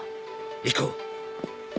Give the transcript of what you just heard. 行こう。